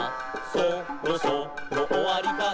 「そろそろおわりかな」